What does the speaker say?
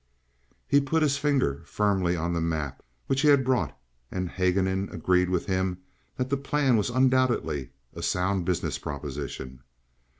He put his finger firmly on the map which he had brought, and Haguenin agreed with him that the plan was undoubtedly a sound business proposition.